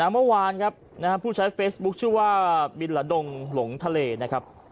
เมื่อวานครับผู้ใช้เฟซบุ๊คชื่อว่ามิลละดงหลงทะเลนะครับ